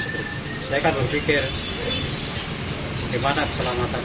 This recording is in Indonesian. saya kan berpikir bagaimana keselamatan